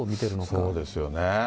そうですよね。